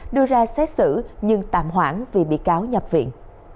đưa ra xét xử nhưng tạm hoãn vì bị cáo nhập viện